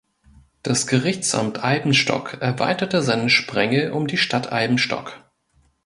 Das Gerichtsamt Eibenstock erweiterte seinen Sprengel um die Stadt Eibenstock.